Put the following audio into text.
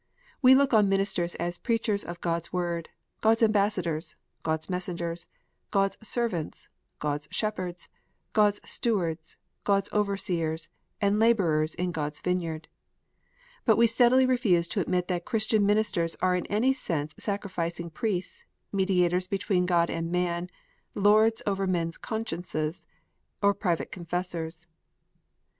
We look on ministers as preachers of God s Word, God s ambassadors, God s messengers, God s servants, God s shepherds, God s stewards, God s overseers, and labourers in God s vineyard. But we steadily refuse to admit that Christian ministers are in any sense sacrificing priests, mediators between God and man, lords of men s consciences, or private confessors.